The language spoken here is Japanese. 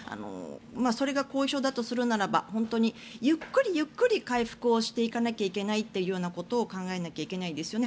それが後遺症だとするならばゆっくりゆっくり回復していかないといけないということを考えなきゃいけないですよね。